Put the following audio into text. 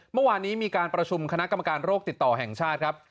เมื่อวานนี้มีการประชุมคณะกรรมการโรคติดต่อแห่งชาติครับ